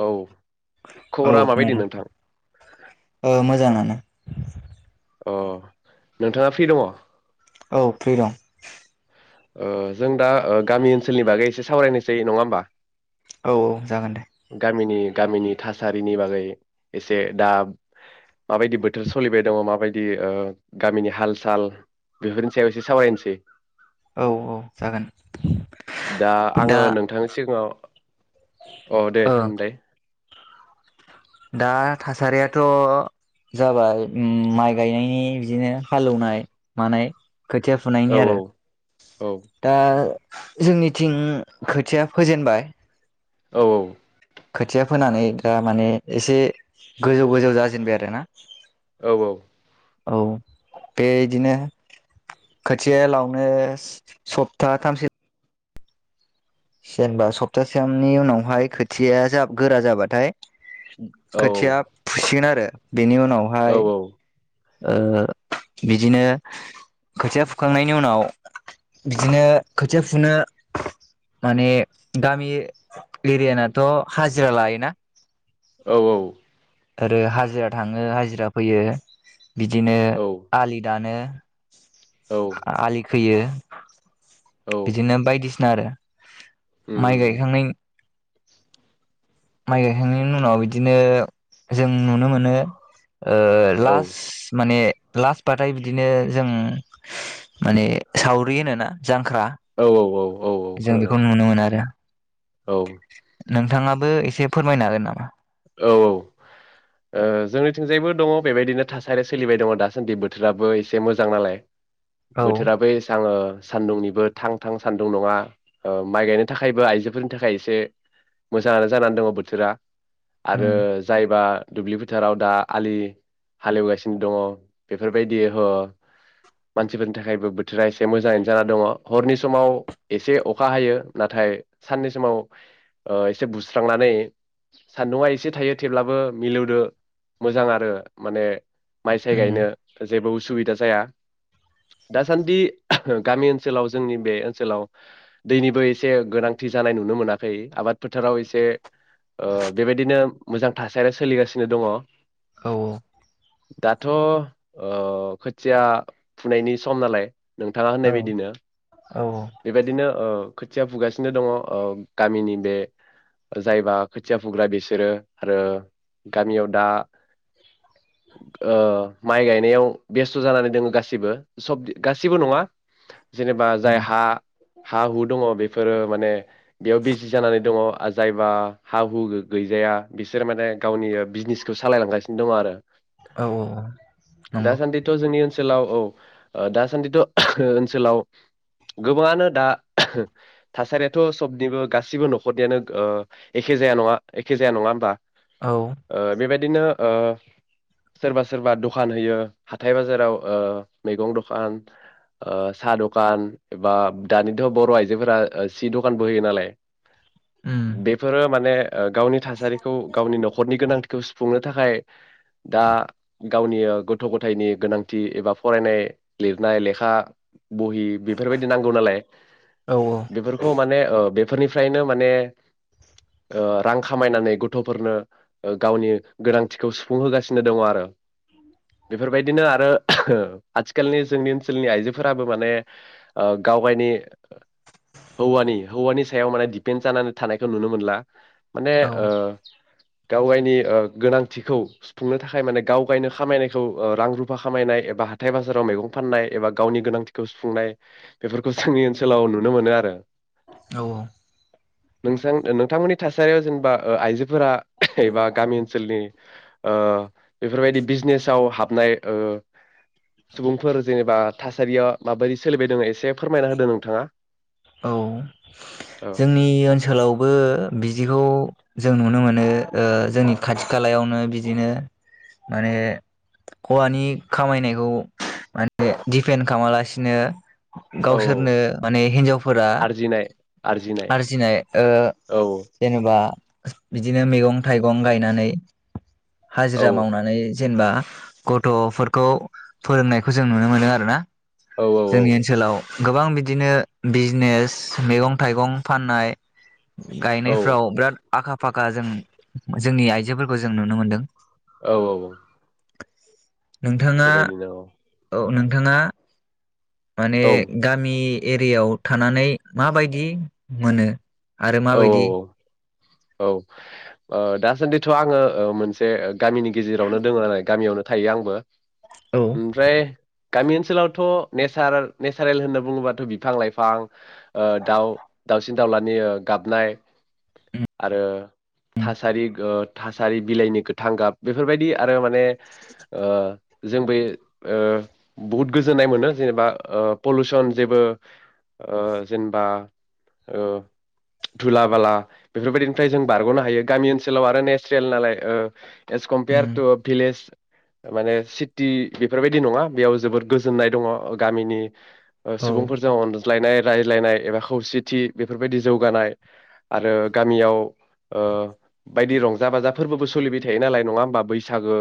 औ औ खबरा माबायदि खोनादों नोंथां ओ मोजाङानो। अ नोंथाङा फ्रि दङ? औ फ्रि दं। ओ जों दा ओ गामि ओनसोलनि बागै एसे सावरायनोसै नङा होमबा? औ औ। जागोन दे गामिनि गामिनि थासारिनि बागै एसे दा माबायदि बोथोर सलिबाय दङ माबायदि गामिनि हाल साल बेफोरनि सायाव एसे सावरायनोसै। औ औ जागोन दा आङो नोंथांनि सिगाङाव अ दे ओ होनलाय। दा थासारियाथ' जाबाय माइ गायनायनि बिदिनो हालौनाय मानाय खोथिया औ फुनायनि औ आरो औ दा जोंनिथिं खोथिया फोजेनबाय औ औ खोथिया फोनानै दा माने एसे गोजौ गोजौ जाजेनबाय आरोना औ औ औ बे इदिनो खोथिया लावनो सप्ता थामसिम जेनबा सप्तासेनि उनावहाय खोथिया जाब गोरा जाबाथाय औ खोथिया फुसिगोन आरो। बेनि औ उनावहाय ओ बिदिनो खोथिया फुखांनायनि उनाव बिदिनो खोथिया फुनो माने गामि एरियानथ' हाजिरा लायोना औ औ आरो हाजिरा थाङो हाजिरा फैयो बिदिनो औ आलि दानो औ आलि खोयो औ बिदिनो बायदिसि ना आरो माइ उम गायखांनाय माइ गायखांनायनि उनाव इदिनो जों नुनो मोनो ओ औ लास्ट माने लास्ट बाथाय बिदिनो जों माने सावरि होनो ना औ औ औ औ जों खोनादों बेखौ नुनो मोनो आरो औ नोंथाङाबो एसे फोरमायनो हागोन नामा? औ औ ओ जोंनिथिंजायबो दङ बेबायदिनो थासारिया सोलिबाय दङ दासान्दि बोथोराबो एसे मोजां नालाय औ बोथोराबो एसां आ सान्दुंनिबो थां थां सान्दुं नङा माइ गायनो थाखायबो आइजोफोरनि थाखाय एसे मोजाङानो जानानै दङ बोथोरा। आरो उम जायबा दुब्लि फोथाराव दा आलि हालेवगासिनो दङ बेफोरबायदि ह मानसिफोरनि थाखायबो बोथोरा एसे मोजाङैनो जाना दङ हरनि समाव एसे अखा हायो नाथाय साननि समाव ओ एसे बुस्रांनानै सान्दुंआ एसे थायो थेवब्लाबो मिलौदो मोजां आरो माने माइ साइ उम गायनो जेबो उ सुबिदा जाया दासान्दि गामि ओनसोलाव जोंनि बे ओनसोलाव दैनिबो एसे गोनांथि जानाय नुनो मोनाखै आबाद फोथाराव एसे ओ बेबायदिनो मोजां थासारिया सोलिगासिनो दङ। औ औ दाथ' अ खोथिया फुनायनि सम नालाय नोंथाङा औ होननाय बायदिनो औ बेबायदिनो अ खोथिया फुगासिनो दङ ओ गामिनि बे जायबा खोथिया फु फुग्रा बिसोरो आरो गामियाव दा ओ माइ गायनायाव बेस्थ जानानै दङ गासैबो सब गासिबो नङा जेनेबा जाय उम हा हा हु दङ बे फोरो माने बेयाव बिजि जानानै दङ जायबा हा हु गैजाया बिसोर माने गावनि बिजनेसखौ सालायलांगासिनो दङ आरो औ औ औ नंगौ दासान्दिथ' जोंनि ओनसोलाव औ दासान्दिथ ओनसोलाव गोबांङानो दा थासारियाथ‌ सबनिबो गासिबो नखरनियानो ओ एखे एखे जाया नङा एखे जाया नङा होनबा औ ओ बेबायदि बिदिनो ओ सोरबा सोरबा दखान होयो हाथाय बाजाराव ओ मैगं दखान ओ साह दखान एबा दानिथ बर आइजोफोरा ओ सि दखानबो होयो नालाय उम बे माने ओ गावनि थासारिखौ गावनि नखरनि गोनांथिखौ सुफुङो। थाखाय दा गावनि गथ गथायनि गोनांथि एबा फरायनाय लिरनाय लेखा बहि बेफोरबायदि नांगौ नालाय औ बेफोरखौ माने ओ बे बेफोरनिफ्रायनो माने ओ रां खामायनानै गथफोरनो गावनि गोनांथिखौ सुफुंहोगासिनो दङ आरो बेफोरबायदिनो आरो आथिखालनि जोंनि ओनसोलनि आइजोफोराबो माने ओ गावगायनि हौवानि हौवानि सायाव माने दिपेन्ड जानानै थानाय खौ नुनो मोनला माने औ ओ गावायनि ओ गोनांथिखौ खुंनो थाखाय माने गाव गायनो खामायनायखौ ओ रां रुफा खामायनाय एबा हाथाय बाजाराव मैगं फाननाय एबा गावनि गोनांथिखौ सुफुंनाय बेफोरखौ जोंनि ओनसोलाव नुनो मोनो आरो औ नोंथां नोंथांमोननि थासारियाव जेनेबा ओ आइजोफोरा एबा गामि ओनसोलनि ओ बेफोरबायदि बिजनेसाव हाबनाय ओ सुबुंफोर जेनेबा थासारियाव माबायदि सोलिबायदोंङो औ औ जोंनि ओनसोलाव बो बिदिखौ जों नुनो मोनो ओ जोंनि खाथि खालायावनो बिदिनो माने हौवानि खामायनायखौ माने दिपेन्ड खालामालासिनो औ गावसोरनो माने हिन्जावफोरा आरजिनाय ओ औ जेनेबा बिदिनो मैगं-थाइगं गायनानै औ हाजिरा औ मावनानै जेनेबा गथफोरखौ फोरोंनायखौ जों नुनो मोनो आरो ना औ औ औ गोबां बिदिनो बिजनेस मैगं-थाइगं फाननाय औ गायनायफ्राव बिराद आखा फाखा जों जोंनि आइजोफोरखौ जों नुनो मोनदों औ औ औ नोंथाङा औ नों नोंथाङा माने औ गामि एरियाव थानानै माबायदि मोनो आरो औ माबायदि औ ओ दासान्दिथ' आङो ओ मोनसे गामिनि गेजेरावनो दङ नालाय गामियावनो थायो आंबो औ ओमफ्राय गामि ओनसोलावथ' नेसार नेसारेल होनना बुङोबाथ' बिफां लाइफां ओ दाउ दाउसिन दाउलानि ओ गाबनाय आरो उम थासारि ओ थासारि बिलाइनि गोथां गाब बेफोरबायदि आरो माने ओ जोंबो ओ बहुद गोजोननाय मोनो जेनेबा ओ पलिुसन जेबोओ जेनेबा ओ धुला बाला बेफोरबायदिनिफ्राय जों बारग'नो हायो गामि ओनसोलाव आरो नेचारेल नालाय O S compare um to village माने सिटि बेफोरबायदि नङा बेयाव जोबोद गोजोननाय दङ गामिनि ओ औ सुबुंफोरजों लायनाय रायज्लायनाय एबा खौसेथि बेफोरबायदि जौगानाय आरो गामियाव ओ बायदि रंजा बाजाफोरबोबो सोलिबाय थायो नालाय नङा होमबा बैसागो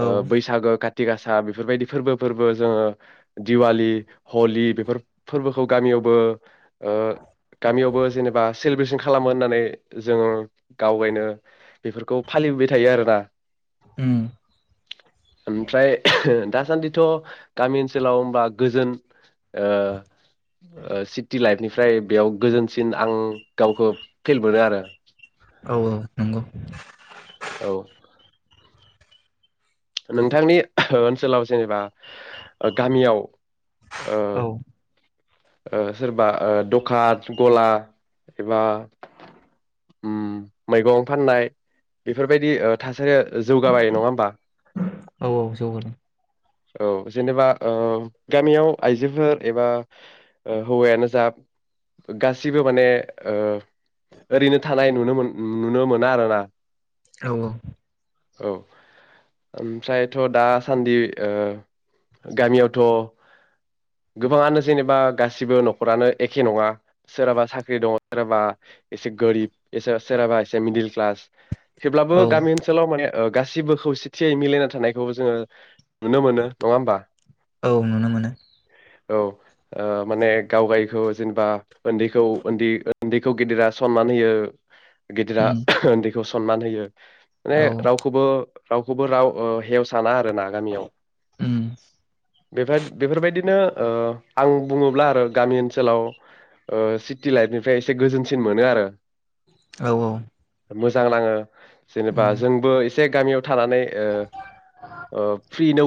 औ ओ बैसागो काथिगासा बेफोरबायदि फोरबो फोरबो जोङो दिवालि हलि बेफोर फोरबोखौ गामियावबो ओ गामियाव बो जेनेबा सेलिब्रेसन खालामो होननानै जोङो गावगायनो बेफोरखौ फालिबोबाय थायो आरोना उम ओमफ्राय दासान्दिथ' गामि ओनसोलाव होनबा गोजोन सिटि लाइफनिफ्राय बेयाव गोजोन सिन आं गावखौ फिल मोनो आरो औ औ नंगौ औ नोंथांनि ओनसोलाव जेनेबा ओ गामियाव ओ औ ओ सोरबा ओ दखान गला एबा उम मैगं फाननाय बेफोरबायदि ओ थासारिया जौगाबाय नङा होमबा औ औ जौगादों औ जेनेबा ओ गामियाव आइजोफोर एबा ओ हौवायानो जा गासिबो माने ओ ओरैनो थानाय नुनो मोन ओ नुनो मोना आरोना औ औ औ ओमफ्रायथ' दासान्दि ओ गामियावथ' गोबाङानो जेनेबा गासिबो न'खरानो एखे नङा सोरहाबा साख्रि दङ सोरहाबा एसे गोरिब एसे सोरहाबा एसे मिडिल क्लास थेवब्लाबो औ गामि ओनसोलाव माने ओ गासिबो खौसेथियै मिलायना थानायखौबो जोङो नुनो मोनो नङा होमबा? औ नुनो मोनो औ ओ माने गाव गायखौ जेनेबा उन्दैखौ उन्दैखौ गिदिरा सनमान होयो गिदिरा उम उन्दैखौ सनमान होयो। माने औ रावखौबो रावखौबो राव ओ हेवसाना आरो रोना गामियाव। उम। बेफो- बेफोरबायदिनो ओ आं बुङोब्ला आरो गामि ओनसोलाव ओ सिटि लाइफनिफ्राय एसे गोजोनसिन मोनो आरो। औ-औ। मोजां नाङो। जेनेबा जोंबो जे गामियाव थानानै ओ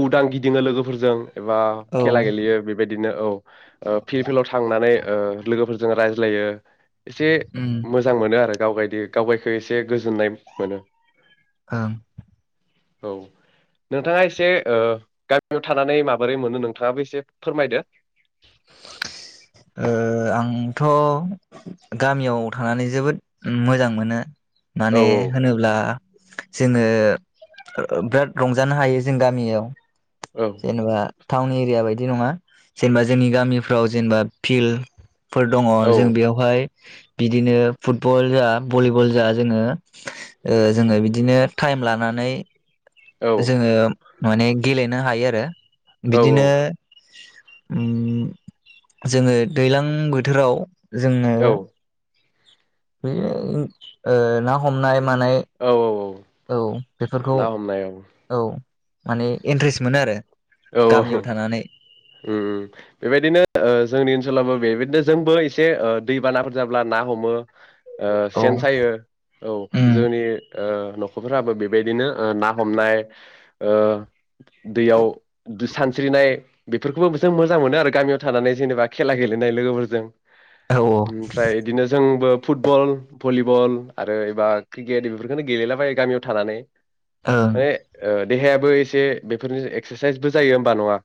उदां गिदिङो लोगोफोरजों एबा औ खेला उम गेलेयो बेबायदिनो ओ फिल - फिलाव थांनानै ओ लोगोफोरजों रायज्लाय लायो। एसे मोजां मोनो आरो गाव बायदि गावबायखो एसे गोजोननाय मोनो। आं औ नोंथाङा एसे से ओ गामियाव थानानै माबोरै मोनो नोंथाङाबो एसे फोरमायदो। ओ आं थ' गामियाव थानानै जोबोद मोजां मोनो। औ माने होनोब्ला जोङो बिराद रंजानो हायो जों गामियाव जेनेबा टाउन एरिया बायदि नङा जेनेबा जोंनि गामिफ्राव जेनेबा फिल्ड फोर दङ' औ जों बेयावहाय बिदिनो फुटबल जा भलिबल जा जोङो ओ‌ जोङो बिदिनो टाइम लानानै औ जोङो माने गेलेनो हायो आरो औ बिदिनो उ जोङो दैलां बोथोराव जोंनो औ [unintelligible] ओ ना हमनाय मानाय औ औ औ। औ बेफोरखौ ना हमनाय औ माने इन्ट्रेस्ट मोनो आरो औ औ उ गामियाव थानानै उ बेबायदिनो ओ जोंनि ओनसोलावबो बे दो जोंबो एसे दैबानाफोर जाब्ला ना ह'मो ओ औ सेन सायो औ उम जोंनि ओ न'ख'फ्राबो बेबायदिनो ना हमनाय ओ दैयाव दु सानस्रिनाय बेफोरखौबो जों मोजां मोनो आरो गामियाव थानानै जेनेबा खेला गेलेनाय लोगोफोरजों औ ओमफ्राय बिदिनो जोंबोब फुटबल भलिबल आरो एबा क्रिकेट बेफोरखौनो गेलेलाबायो गामियाव थानानै ओं माने ओ देहायाबो एसे बेफोरनि एक्स साइसबो जायो होमबा नङा?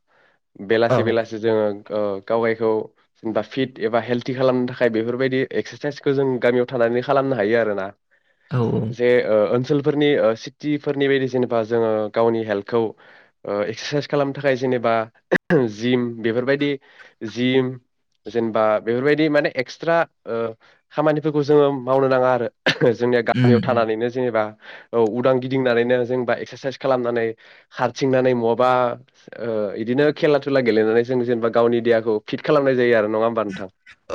बेलासि औ बेलासि जोङो ओ गावगायखौ दा फिट एबा हेल्डि खालामनो थाखाय बेफोरबायदि एक्सारसाइसखौ जों गामियाव थानानै खालामनो हायो आरोना। औ जे ओ ओनसोल फोरनि सिटि फोरनि बायदि जेनेबा जोङो गावनि हेल्थखौ ओ एक्सारसाइसथ खालामनो थाखाय जेनेबा जिम बेफोरबायदि जिम जेनेबा बेफोरबायदि माने एक्सट्रा ओ खामानिफोरखौ जोङो मावनो नाङा आरो जोंनिया उम गामियाव उम थानानैनो जेनेबा औ उदां गिदिंनानैनो जोंबा एक्सारसाइस खालामनानै खारथिंनानै मब बा ओ इदिनो खेला दुला गेलेनानै जों जेनेबा गावनि देहाखौ फिट खालामनाय जायो आरो नङा होनबा नोंथां?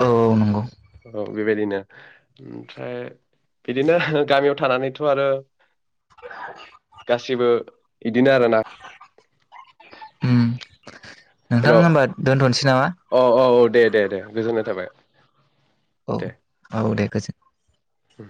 औ औ नंगौ बेबायदिनो ओमफ्राय बिदिनो गामियाव थानानैथ' आरो गासिबो बिदिनो आरोना उ। नोंथां हेल' होनोमबा औ दोनथ'सै नामा? औ औ दे दे दे। गोजोननाय थाबाय औ दे। औ दे गोजोन उ।